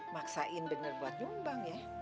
maksain bener buat nyumbang ya